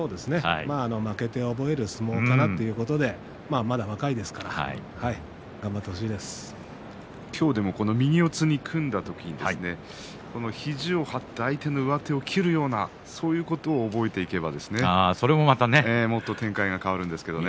負けて覚える相撲かなということで、まだ若いですし今日は右四つに組んだ時に肘を張って相手の上手を切るようなそういうことを覚えていけばもっと展開が変わるんですけどね。